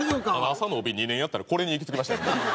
朝の帯２年やったらこれに行き着きましたね。